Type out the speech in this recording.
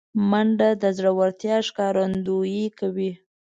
منډه د زړورتیا ښکارندویي کوي